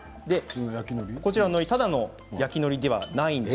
こちらののりただの焼きのりではないんです。